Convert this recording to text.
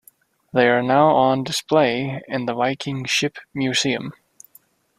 They are now on display in the Viking Ship Museum.